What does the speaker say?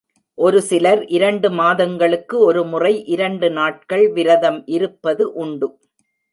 ஒரு சிலர் இரண்டு மாதங்களுக்கு ஒரு முறை இரண்டு நாட்கள் விரதம் இருப்பது உண்டு.